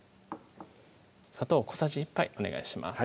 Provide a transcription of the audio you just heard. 砂糖小さじ１杯お願いします